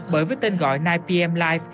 bởi với tên gọi chín pm live